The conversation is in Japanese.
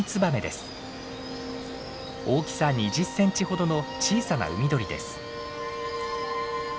大きさ２０センチほどの小さな海鳥です。